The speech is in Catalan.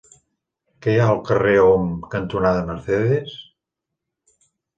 Què hi ha al carrer Om cantonada Mercedes?